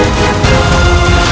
aku juga mau ke mereka